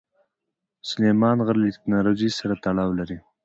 سلیمان غر له تکنالوژۍ سره تړاو لري.